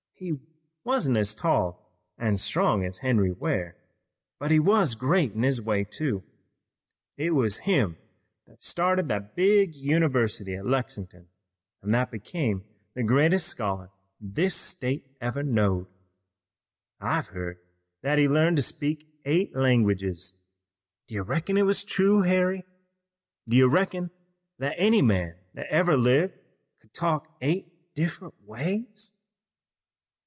He wuzn't as tall an' strong as Henry Ware, but he was great in his way, too. It was him that started the big university at Lexin'ton, an' that become the greatest scholar this state ever knowed. I've heard that he learned to speak eight languages. Do you reckon it was true, Harry? Do you reckon that any man that ever lived could talk eight different ways?"